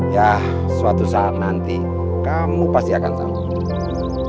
ya suatu saat nanti kamu pasti akan sembuh